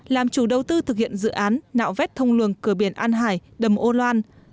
làm chủ đầu tư thực hiện dự án nạo vét thông luồng cửa biển an hải đầm âu loan